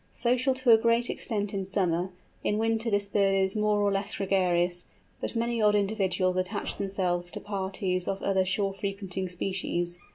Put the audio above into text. Social to a great extent in summer, in winter this bird is more or less gregarious; but many odd individuals attach themselves to parties of other shore frequenting species.